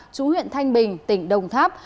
trú huyện thanh bình tỉnh đồng tháp